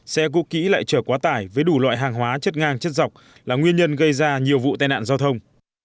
xe cũ kỹ lại chở quá tải với đủ loại hàng hóa chất ngang chất dọc là nguyên nhân gây ra nhiều vụ tai nạn giao thông